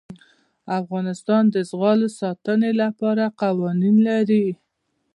افغانستان د زغال د ساتنې لپاره قوانین لري.